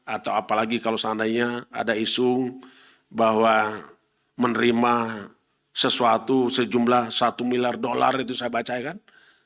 atau apalagi kalau seandainya ada isu bahwa menerima sesuatu sejumlah satu miliar dolar itu saya baca kan